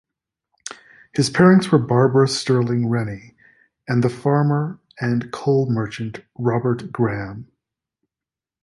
His parents were Barbara Stirling Rennie and the farmer and coal merchant Robert Graham.